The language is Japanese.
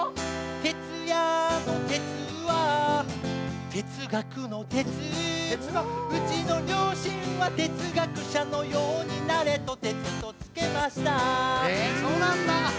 哲也の「哲」は哲学の「哲」うちの両親は哲学者のようになれと「哲」とつけましたへえそうなんだ。